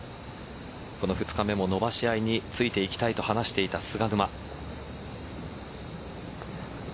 この２日目も、伸ばし合いに付いていきたいと話していた菅沼。